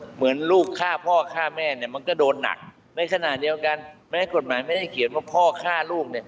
เหมือนลูกฆ่าพ่อฆ่าแม่เนี่ยมันก็โดนหนักในขณะเดียวกันแม้กฎหมายไม่ได้เขียนว่าพ่อฆ่าลูกเนี่ย